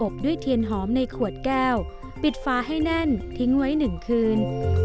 ด้วยเทียนหอมในขวดแก้วปิดฟ้าให้แน่นทิ้งไว้๑คืน